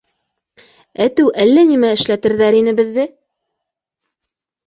Әтеү әллә нимә эшләтерҙәр ине беҙҙе!